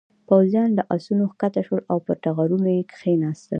پوځيان له آسونو کښته شول او پر ټغرونو یې کېناستل.